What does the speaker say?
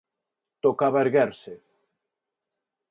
Tocaba erguerse.